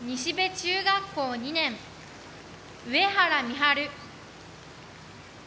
中学校２年上原美春。